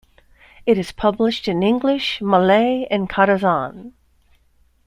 It is published in English, Malay and Kadazan.